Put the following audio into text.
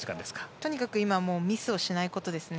とにかく今はミスをしないことですね。